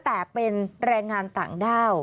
แต่เป็นแรงงานต่างด้าว